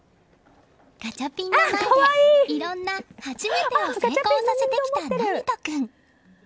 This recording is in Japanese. ガチャピンの前でいろんな初めてを成功させてきた椰人君。